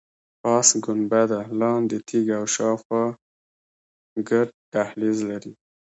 پاس ګنبده، لاندې تیږه او شاخوا ګرد دهلیز لري.